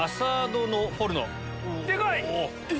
でかい！